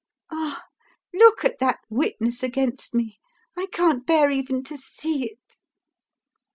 Ah, look at that witness against me! I can't bear even to see it."